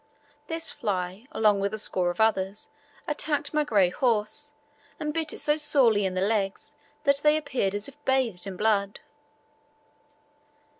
This fly, along with a score of others, attacked my grey horse, and bit it so sorely in the legs that they appeared as if bathed in blood.